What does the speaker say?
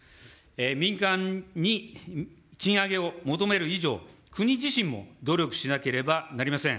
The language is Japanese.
民間に賃上げを求める以上、国自身も努力しなければなりません。